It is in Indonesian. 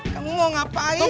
kamu mau ngapain